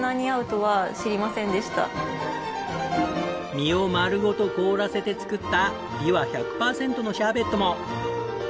実を丸ごと凍らせて作ったビワ１００パーセントのシャーベットも。